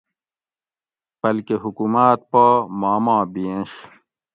بلکہ حکوماۤت پا ما ما بِھئینش